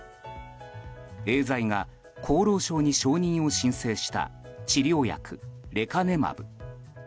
エーザイが厚労省に承認を申請した治療薬レカネマブ。